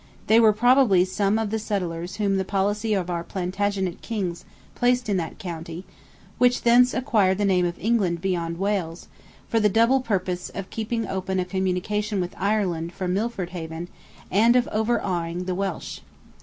They were probably some of the settlers whom the policy of our Plantagenet kings placed in that county, which thence acquired the name of 'England beyond Wales,' for the double purpose of keeping open a communication with Ireland from Milford Haven, and of overawing the Welsh.